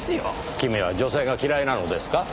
君は女性が嫌いなのですか？